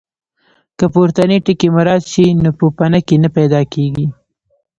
که پورتني ټکي مراعات شي نو پوپنکي نه پیدا کېږي.